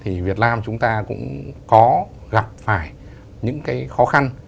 thì việt nam chúng ta cũng có gặp phải những cái khó khăn